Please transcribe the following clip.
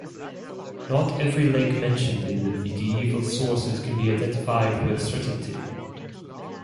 Not every lake mentioned in medieval sources can be identified with certainty.